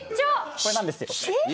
これなんですよ。